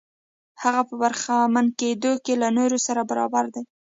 هغه په برخمن کېدو کې له نورو سره برابر دی.